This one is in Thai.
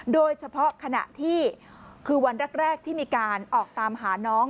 โดยเฉพาะขณะที่คือวันแรกที่มีการออกตามหาน้อง